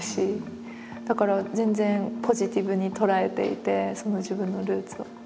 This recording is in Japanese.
だから全然ポジティブに捉えていて自分のルーツを。